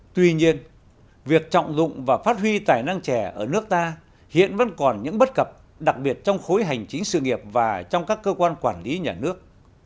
tuy nhiên việc trọng dụng và phát huy tài năng trẻ ở nước ta hiện vẫn còn những bất cập đặc biệt trong khối hành chính sự nghiệp và trong các cơ quan quản lý nhà nước